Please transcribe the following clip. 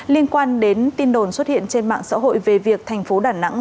liên quan đến tin đồn xuất hiện trên mạng xã hội về việc thành phố đà nẵng